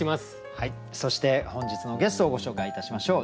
そして本日のゲストをご紹介いたしましょう。